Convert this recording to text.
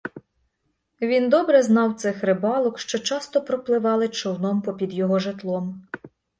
Він добре знав цих рибалок, що часто пропливали човном попід його житлом.